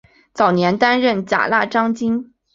早年担任甲喇章京。